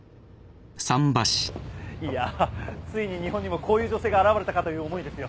いやついに日本にもこういう女性が現れたかという思いですよ。